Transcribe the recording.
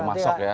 mau masuk ya